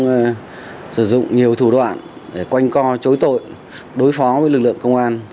bước đầu thì số đối tượng dùng nhiều thủ đoạn để quanh co chối tội đối phó với đối tượng